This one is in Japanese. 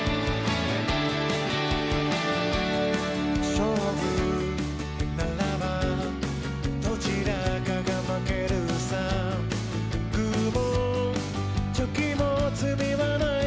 勝負ならばどちらかが負けるさグーもチョキも罪はないのさ